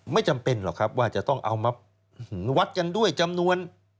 ไม่จำเป็นหรอกครับว่าจะต้องเอามาวัดกันด้วยจำนวน